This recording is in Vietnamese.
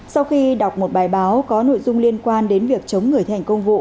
sau khi đọc một bài báo có nội dung liên quan đến việc chống người thành công vụ